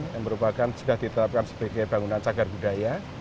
yang merupakan sudah ditetapkan sebagai bangunan cagar budaya